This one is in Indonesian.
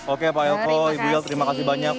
oke pak elko ibu yel terima kasih banyak